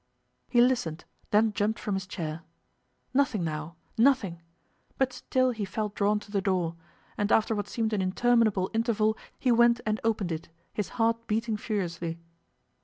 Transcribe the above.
He listened; then jumped from his chair. Nothing now! Nothing! But still he felt drawn to the door, and after what seemed an interminable interval he went and opened it, his heart beating furiously.